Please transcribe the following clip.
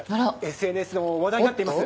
ＳＮＳでも話題になっています。